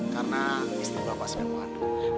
karena istri bapak sedang muat